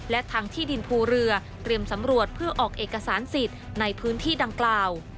และทางที่ดินภูเรือเตรียมสำรวจเพื่อออกเอกสารสิทธิ์ในพื้นที่ดังกล่าว